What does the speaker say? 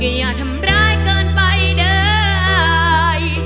อย่าทำร้ายเกินไปได้